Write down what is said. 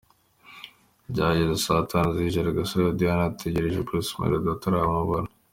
Byageze saa tanu z’ijoro Agasaro Diane agitegerereje Bruce Melody ataramubona.